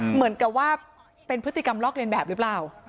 เหมือนกับว่าเป็นพฤติกรรมลอกเรียนแบบหรือเปล่า